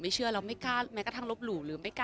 บางทีเค้าแค่อยากดึงเค้าต้องการอะไรจับเราไหล่ลูกหรือยังไง